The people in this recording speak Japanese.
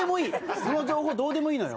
その情報どうでもいいのよ。